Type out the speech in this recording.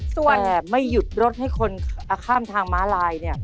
แต่ไม่หยุดรถให้คนข้ามทางมารายเนี่ย